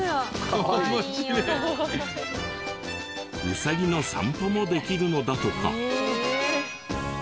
ウサギの散歩もできるのだとか。